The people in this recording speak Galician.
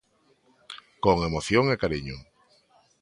Con emoción e cariño.